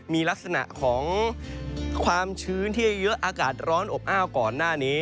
มีลักษณะของความชื้นที่เยอะอากาศร้อนอบอ้าวก่อนหน้านี้